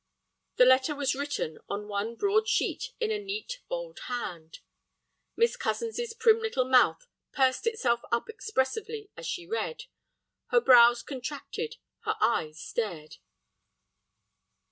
The letter was written on one broad sheet in a neat, bold hand. Miss Cozens's prim little mouth pursed itself up expressively as she read; her brows contracted, her eyes stared.